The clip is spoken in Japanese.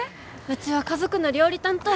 うちは家族の料理担当。